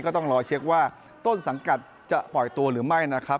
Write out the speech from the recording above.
ต้องรอเช็คว่าต้นสังกัดจะปล่อยตัวหรือไม่นะครับ